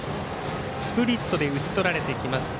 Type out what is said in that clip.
スプリットで打ち取られてきました。